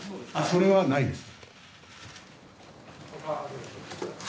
それはないです。